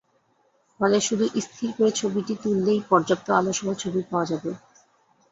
ফলে শুধু স্থির করে ছবি তুললেই পর্যাপ্ত আলোসহ ছবি পাওয়া যাবে।